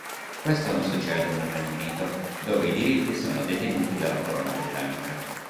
Questo non succede nel Regno Unito, dove i diritti sono detenuti dalla Corona Britannica.